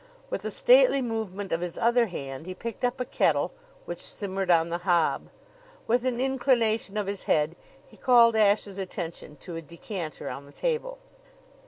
With a stately movement of his other hand, he picked up a kettle, which simmered on the hob. With an inclination of his head, he called Ashe's attention to a decanter on the table.